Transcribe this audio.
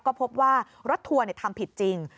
ก็พบว่ารถทัวร์ทำผิดจริง